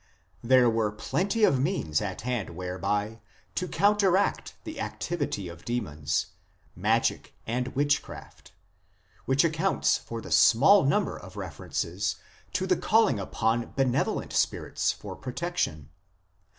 There were plenty of means at hand whereby to counteract the activity of demons magic and witchcraft which accounts for the small number of references to the calling upon benevolent spirits for protection.